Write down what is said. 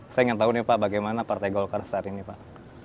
saya ingin tahu nih pak bagaimana partai golkar saat ini pak